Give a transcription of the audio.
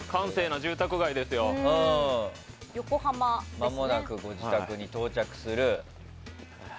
まもなくご自宅に到着する。